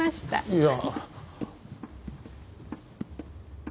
いや。